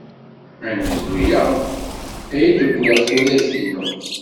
Anebdu-a ay d-wwiɣ turagt-inu.